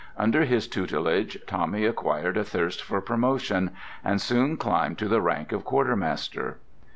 Under his tutelage Tommy acquired a thirst for promotion, and soon climbed to the rank of quartermaster.